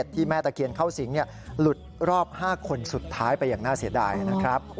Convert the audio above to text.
แม่ตะเคียนเข้าสิงหลุดรอบ๕คนสุดท้ายไปอย่างน่าเสียดายนะครับ